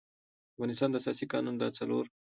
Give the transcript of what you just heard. د افغانستان د اساسي قـانون د څلور